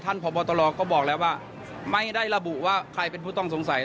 พบตรก็บอกแล้วว่าไม่ได้ระบุว่าใครเป็นผู้ต้องสงสัย